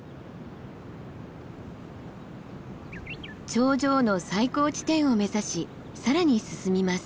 頂上の最高地点を目指し更に進みます。